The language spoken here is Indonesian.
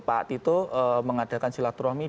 pak tito mengadakan sholat jumatnya